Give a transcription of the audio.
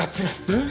えっ。